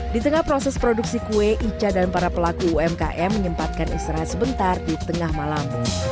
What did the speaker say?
di tengah proses produksi kue ica dan para pelaku umkm menyempatkan istirahat sebentar di tengah malam